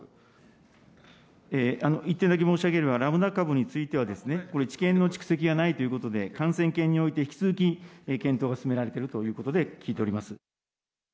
一点だけ申し上げれば、ラムダ株については、これ知見の蓄積がないということで、感染研において、引き続き、検討が進められているということで聞いております。